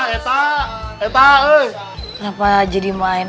eta kenapa jadi main